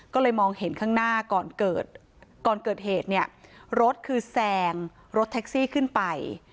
ก็เลยมองเห็นข้างหน้าก่อนเกิดก่อนเกิดเหตุเนี่ยรถคือแซงรถแท็กซี่ขึ้นไป